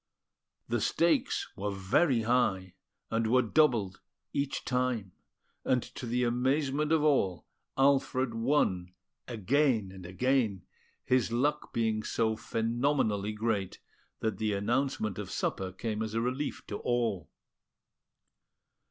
The stakes were very high, and were doubled each time; and to the amazement of all, Alfred won again and again, his luck being so phenomenally great that the announcement of supper came as a relief to all.